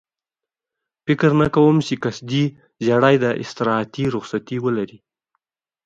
فکر نه کوم چې قصدي ژېړی دې استراحتي رخصتي ولري.